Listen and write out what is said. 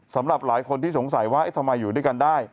สำหรับหลายคนที่สงสัยว่าทำไมอยู่ด้วยกันได้